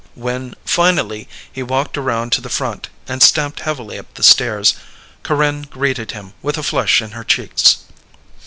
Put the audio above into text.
When, finally, he walked around to the front and stamped heavily up the stairs, Corinne greeted him with a flush in her cheeks.